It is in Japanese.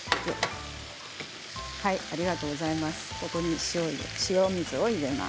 ありがとうございます。